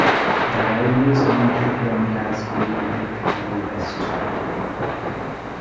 The railways wanted to entice people to travel west.